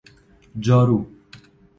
جارو